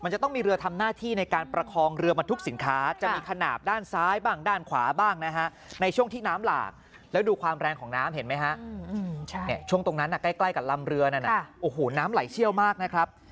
ช่วงตรงนั้นใกล้กับลำเรือนั้นน้ำไหลเชี่ยวมากนะครับ